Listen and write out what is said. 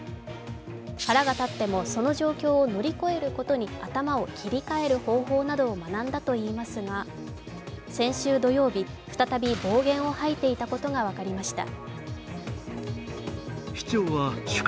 腹が立ってもその状況を乗り越えることに頭を切り替える方法などを学んだといいますが、先週土曜日、再び暴言を吐いていたことが分かりました。